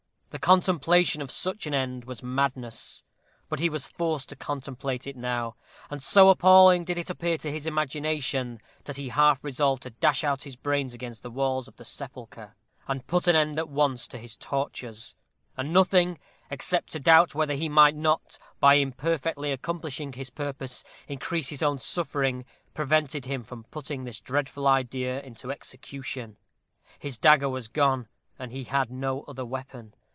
The contemplation of such an end was madness, but he was forced to contemplate it now; and so appalling did it appear to his imagination, that he half resolved to dash out his brains against the walls of the sepulchre, and put an end at once to his tortures; and nothing, except a doubt whether he might not, by imperfectly accomplishing his purpose, increase his own suffering, prevented him from putting this dreadful idea into execution. His dagger was gone, and he had no other weapon.